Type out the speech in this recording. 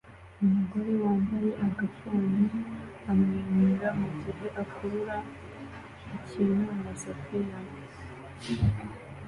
Umugore wambaye agafuni amwenyura mugihe akurura ikintu mumasafuriya